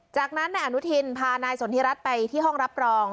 จากนั้นนายอนุทินพานายสนทิรัฐไปที่ห้องรับรอง